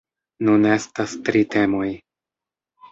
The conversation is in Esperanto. Nun estas tri temoj.